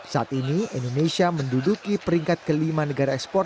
saat ini indonesia menduduki peringkat kelima negara ekspor